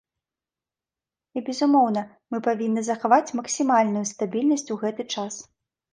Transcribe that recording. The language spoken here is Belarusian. І безумоўна, мы павінны захаваць максімальную стабільнасць у гэты час.